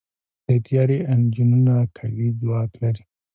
د طیارې انجنونه قوي ځواک لري.